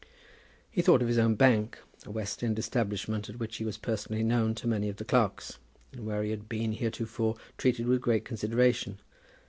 He thought of his own bank, a West End establishment at which he was personally known to many of the clerks, and where he had been heretofore treated with great consideration.